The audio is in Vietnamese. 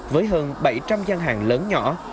với hơn bảy trăm linh gian hàng lớn nhỏ